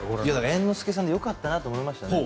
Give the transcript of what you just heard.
猿之助さんでよかったなと思いましたね。